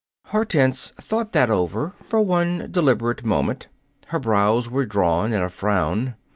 Hortense thought that over for one deliberate moment. Her brows were drawn in a frown.